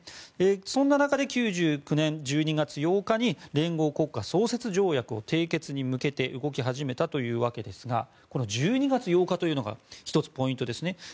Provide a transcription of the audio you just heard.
そんな中で９９年１２月８日に連合国家創設条約を締結に向けて動き始めたというわけですがこの１２月８日というのが１つポイントです。